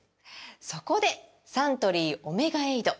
そこでサントリー「オメガエイド」！